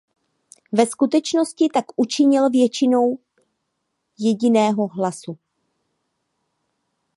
Ve skutečnosti tak učinil většinou jediného hlasu.